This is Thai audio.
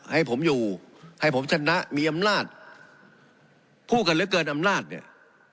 ให้ผมอยู่ให้ผมชนะมีอำนาจพูดกันเหลือเกินอำนาจเนี่ย